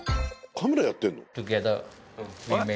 カメラやってるの？